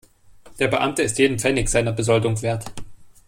Der Beamte ist jeden Pfennig seiner Besoldung wert.